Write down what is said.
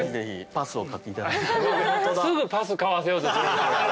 すぐパス買わせようと。